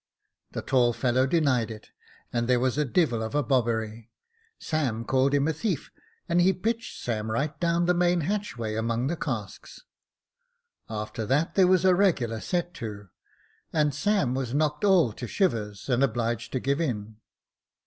The tall fellow denied it, and there was a devil of a bobbery. Sam called him a thief, and he pitched Sam right down the main hatchway among the casks. After that there was a regular set to, and Sam was knocked all to shivers, and obliged to give in.